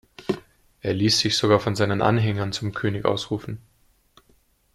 Er ließ sich sogar von seinen Anhängern zum König ausrufen.